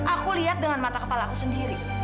aku lihat dengan mata kepala aku sendiri